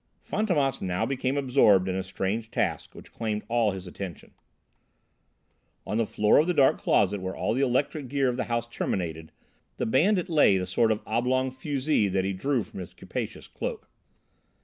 Fantômas now became absorbed in a strange task which claimed all his attention. On the floor of the dark closet where all the electric gear of the house terminated, the bandit laid a sort of oblong fusee that he drew from his capacious cloak.